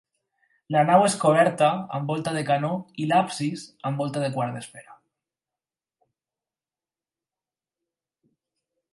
La nau és coberta amb volta de canó i l'absis, amb volta de quart d'esfera.